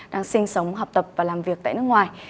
đang sinh sống học tập và làm việc tại nước ngoài